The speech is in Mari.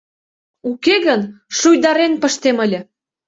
— Уке гын шуйдарен пыштем ыле.